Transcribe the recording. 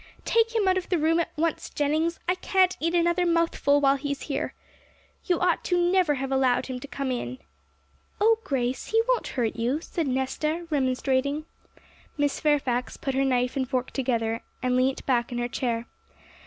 'Take him out of the room at once, Jennings; I can't eat another mouthful while he is here. You ought never to have allowed him to come in!' 'Oh, Grace, he won't hurt you!' said Nesta, remonstrating. Miss Fairfax put her knife and fork together, and leant back in her chair.